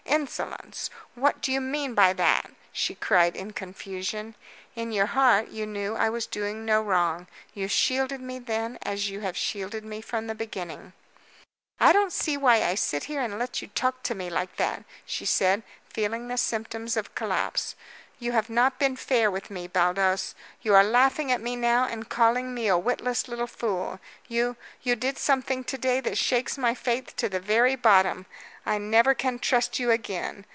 "Insolence! What do you mean by that?" she cried in confusion. "In your heart you knew I was doing no wrong. You shielded me then as you have shielded me from the beginning." "I don't see why I sit here and let you talk to me like that," she said, feeling the symptoms of collapse. "You have not been fair with me, Baldos. You are laughing at me now and calling me a witless little fool. You you did something to day that shakes my faith to the very bottom. I never can trust you again.